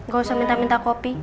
gak usah minta minta kopi